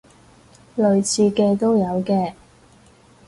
類似嘅都有嘅